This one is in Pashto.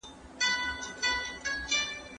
ايا ته انځور ګورې،